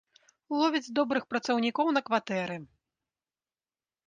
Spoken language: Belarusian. Ловяць добрых працаўнікоў на кватэры!